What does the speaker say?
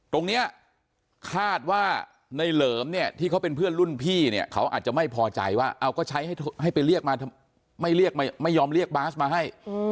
ตรงนี้คาดว่าในเหลิมเนี่ยที่เขาเป็นเพื่อนรุ่นพี่เนี่ยเขาอาจจะไม่พอใจว่าเอาก็ใช้ให้ไปเรียกมาเรียกไม่ยอมเรียกบาสมาให้